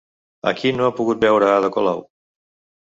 A qui no ha pogut veure Ada Colau?